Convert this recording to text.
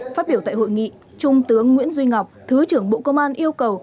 phát biểu tại hội nghị trung tướng nguyễn duy ngọc thứ trưởng bộ công an yêu cầu